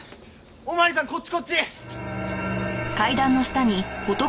お巡りさんこっちこっち！